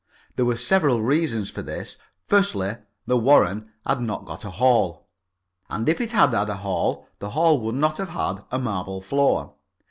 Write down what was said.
There were several reasons for this. Firstly, the Warren had not got a hall, and if it had had a hall, the hall would not have had a marble floor.